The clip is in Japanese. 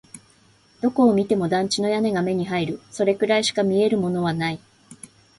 どこを見ても団地の屋根が目に入る。それくらいしか見えるものはない。